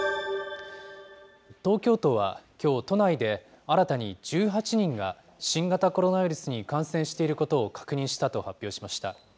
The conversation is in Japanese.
東京都はきょう、都内で新たに１８人が新型コロナウイルスに感染していることを確認したと発表しました。